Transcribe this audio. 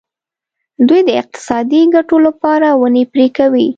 دوی د اقتصادي ګټو لپاره ونې پرې کوي.